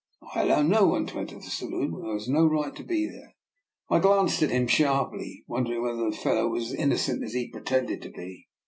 I allow no one to enter the saloon who has no right to be there." I glanced at him sharply, wondering whether the fellow was as innocent as he pre tended to be.